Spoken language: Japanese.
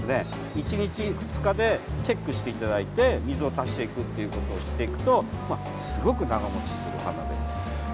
１日、２日でチェックしていただいて水を足していくことをするとすごく長持ちする花です。